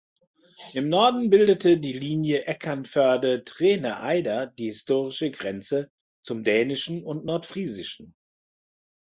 Im "Norden" bildete die Linie Eckernförde–Treene–Eider die historische Grenze zum Dänischen und Nordfriesischen.